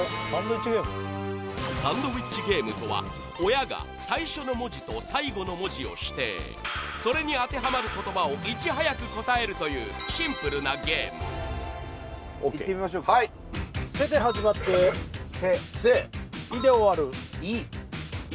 サンドウィッチゲームとは親が最初の文字と最後の文字を指定それに当てはまる言葉をいち早く答えるというシンプルなゲームＯＫいってみましょうか「せ」で始まって「せ」「い」で終わる「い」「い」？